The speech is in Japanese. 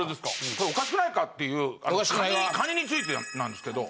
それおかしくないかっていうあのカニにカニについてなんですけど。